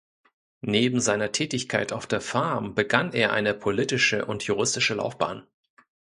Neben seiner Tätigkeit auf der Farm begann er eine politische und juristische Laufbahn.